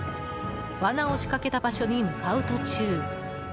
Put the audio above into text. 罠を仕掛けた場所に向かう途中。